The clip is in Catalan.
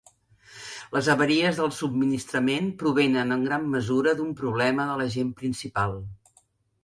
Les avaries del subministrament provenen en gran mesura d'un problema de l'agent principal.